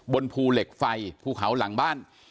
บนภูเหล็กไฟภูเขาหลังบ้าน